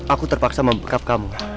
aku terpaksa membungkap kamu